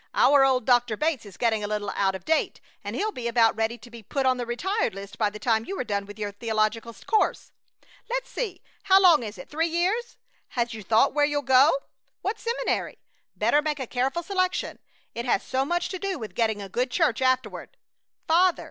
Our old Doctor Bates is getting a little out of date and he'll be about ready to be put on the retired list by the time you are done your theological course. Let's see, how long is it, three years? Had you thought where you will go? What seminary? Better make a careful selection; it has so much to do with getting a good church afterward!" "Father!